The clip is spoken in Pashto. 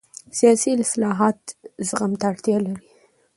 سیاسي اصلاحات زغم ته اړتیا لري